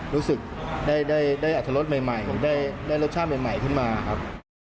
รู้สึกได้อัตรรสใหม่ผมได้รสชาติใหม่ขึ้นมาครับ